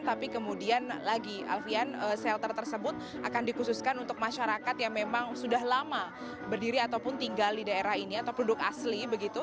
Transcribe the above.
tapi kemudian lagi alfian shelter tersebut akan dikhususkan untuk masyarakat yang memang sudah lama berdiri ataupun tinggal di daerah ini atau penduduk asli